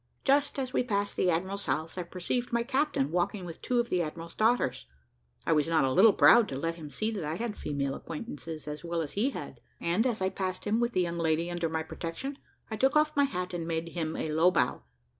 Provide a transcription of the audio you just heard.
Just as we passed the admiral's house, I perceived my captain walking with two of the admiral's daughters. I was not a little proud to let him see that I had female acquaintances as well as he had, and, as I passed him with the young lady under my protection, I took off my hat, and made him a low bow.